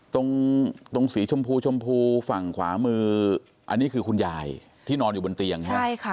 ตรงตรงสีชมพูชมพูฝั่งขวามืออันนี้คือคุณยายที่นอนอยู่บนเตียงใช่ไหมใช่ค่ะ